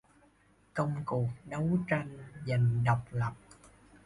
công cuộc đấu tranh giành độc lập